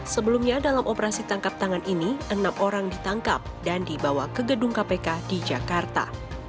sebelumnya dalam operasi tangkap tangan ini enam orang ditangkap dan dibawa ke gedung kpk di jakarta